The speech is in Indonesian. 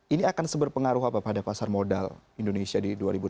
ini akan seberpengaruh apa pada pasar modal indonesia di dua ribu delapan belas